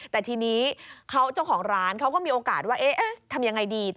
แต่ทีนี้เจ้าของร้านเขาก็มีโอกาสว่าเอ๊ะทำยังไงดี